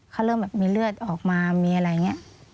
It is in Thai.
เขาเริ่มแบบมีเลือดออกมามีอะไรอย่างนี้